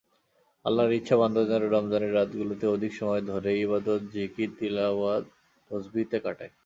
আল্লাহর ইচ্ছা বান্দা যেন রমজানের রাতগুলোতে অধিক সময় ধরে ইবাদতজিকিরতিলাওয়াততসবিহতে কাটায়।